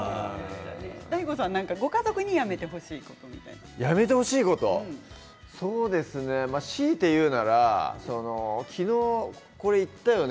ＤＡＩＧＯさんご家族にやめてほしいことは強いて言うなら昨日これ言ったよね？